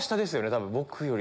多分僕より。